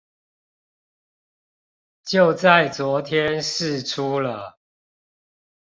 就在昨天釋出了